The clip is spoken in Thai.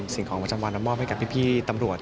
สิ่งของประจำวันมามอบให้กับพี่ตำรวจ